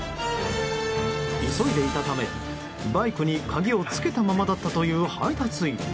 急いでいたためバイクに鍵をつけたままだったという配達員。